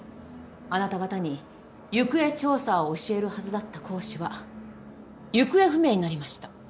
あなた方に行方調査を教えるはずだった講師は行方不明になりました。